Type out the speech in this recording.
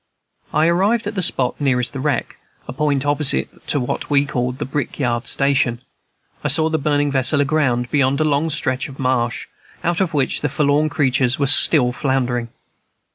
Arrived at the spot nearest the wreck (a point opposite to what we called the Brickyard Station), I saw the burning vessel aground beyond a long stretch of marsh, out of which the forlorn creatures were still floundering.